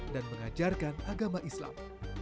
dan mengajarkan agama islam